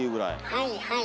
はいはい。